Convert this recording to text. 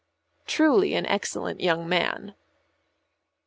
Truly an excellent young man.